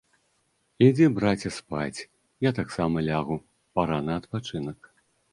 Ідзі, браце, спаць, я таксама лягу, пара на адпачынак.